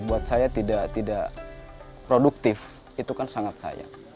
buat saya tidak produktif itu kan sangat sayang